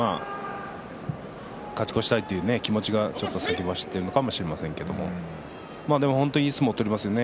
勝ち越したいという気持ちがちょっと先走っているのかもしれませんけれどもでも本当にいい相撲を取りますよね